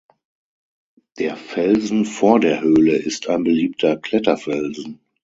Der Felsen vor der Höhle ist ein beliebter Kletterfelsen.